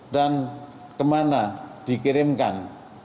dan ke mana dikirimkan